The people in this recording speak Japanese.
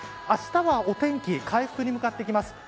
あしたはお天気回復に向かっていきます。